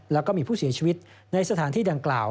แล้วก็มีผู้เสียชีวิตในสถานที่ดังกล่าว